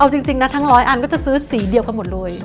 เอาจริงนะทั้งร้อยอันก็จะซื้อสีเดียวกันหมดเลย